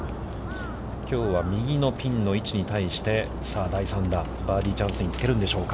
きょうは右のピンの位置に対してさあ、第３打、バーディーチャンスにつけるんでしょうか。